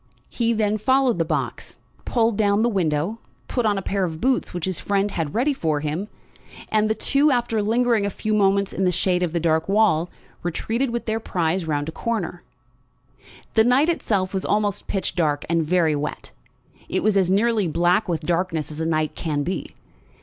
He then followed the box, pulled down the window, put on a pair of boots which his friend had ready for him; and the two, after lingering a few moments in the shade of the dark wall, retreated with their prize round a corner. The night itself was almost pitch dark, and very wet. It was as nearly black with darkness as a night can be.